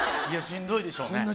いや、しんどいでしょうね。